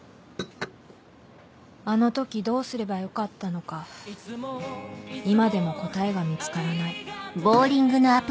あの時どうすればよかったのか今でも答えが見つからない